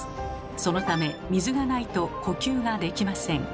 そのため水がないと呼吸ができません。